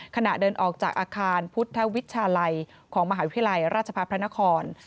ขณะเดินออกจากอาคารพุทธวิชาลัยของมหาวิทยาลัยราชพัฒนพระนคร